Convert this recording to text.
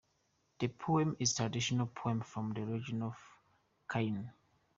The poem is a traditional poem from the region of Kainuu.